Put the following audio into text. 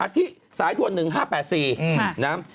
ที่สายตัว๑๕๘๔นะครับ